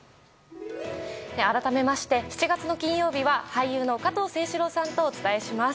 改めまして、７月の金曜日は俳優の加藤清史郎さんとお伝えします。